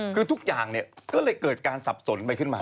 คือทุกอย่างก็เลยเกิดการสับสนไปขึ้นมา